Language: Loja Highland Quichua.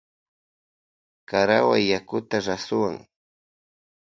Karawuay yakuta rasuwa.